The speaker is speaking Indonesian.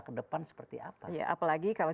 ke depan seperti apa ya apalagi kalau